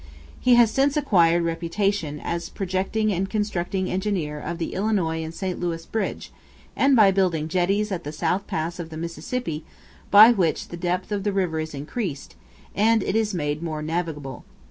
He has since acquired reputation as projecting and constructing engineer of the Illinois and St. Louis bridge, and by building jetties at the South Pass of the Mississippi, by which the depth of the river is increased, and it is made more navigable.